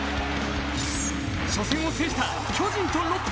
初戦を制した巨人とロッテ。